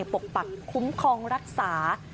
ปกปักคุ้มครองรักษา